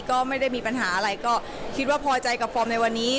ก็ไม่ได้มีปัญหาอะไรก็คิดว่าพอใจกับฟอร์มในวันนี้